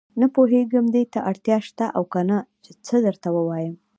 نه پوهېږم دې ته اړتیا شته او کنه چې څه درته ووايم.